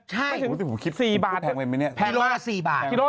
ใช่เรารู้สึก๔บาท